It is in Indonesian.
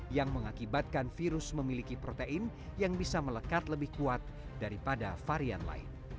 yang mengakibatkan virus memiliki protein yang bisa melekat lebih kuat daripada varian lain